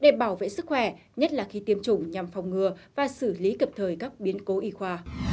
để bảo vệ sức khỏe nhất là khi tiêm chủng nhằm phòng ngừa và xử lý cập thời các biến cố y khoa